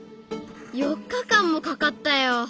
４日間もかかったよ。